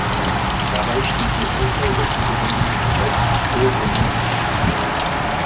Dabei stieg die Anzahl der zu gewinnenden "Legs" pro Runde an.